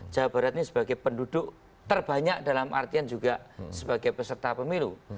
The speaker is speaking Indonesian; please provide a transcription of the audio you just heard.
jawa barat ini sebagai penduduk terbanyak dalam artian juga sebagai peserta pemilu